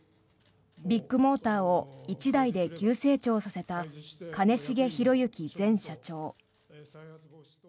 ビッグモーターを１代で急成長させた兼重宏行前社長。